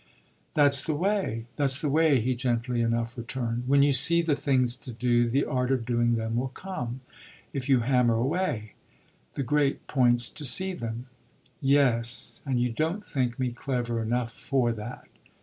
"That's the way that's the way," he gently enough returned. "When you see the things to do the art of doing them will come if you hammer away. The great point's to see them." "Yes; and you don't think me clever enough for that."